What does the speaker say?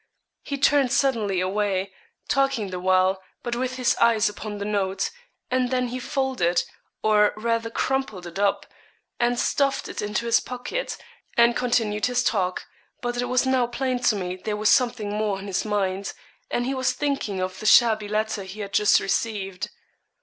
He turned suddenly away, talking the while, but with his eyes upon the note, and then he folded, or rather crumpled it up, and stuffed it into his pocket, and continued his talk; but it was now plain to me there was something more on his mind, and he was thinking of the shabby letter he had just received.